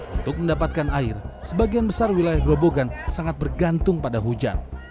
untuk mendapatkan air sebagian besar wilayah grobogan sangat bergantung pada hujan